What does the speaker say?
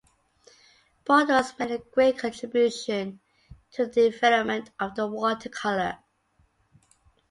Bartels made a great contribution to the development of the watercolour.